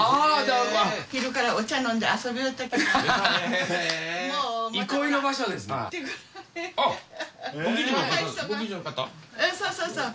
うんそうそうそう。